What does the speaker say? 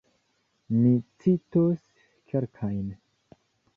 Mi citos kelkajn.